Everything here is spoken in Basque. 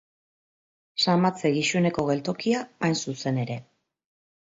Samatze-Gixuneko geltokia hain zuzen ere.